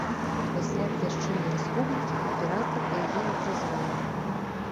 Пасля абвяшчэння рэспублікі імператар яе не прызнаў.